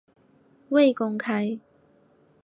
未公开